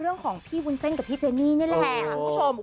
เรื่องของพี่วุ้นเส้นกับพี่เจนี่นี่แหละคุณผู้ชม